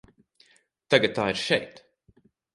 Tagad tā ir šeit.